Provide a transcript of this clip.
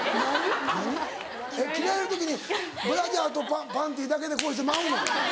えっ着替える時にブラジャーとパンティーだけでこうして舞うの？